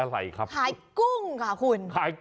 นี่คือเทคนิคการขาย